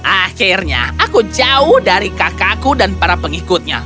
akhirnya aku jauh dari kakakku dan para pengikutnya